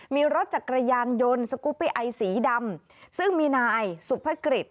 มีรถจักรยานยนต์สกุปปี้ไอสีดำซึ่งมีนายสุภกิจ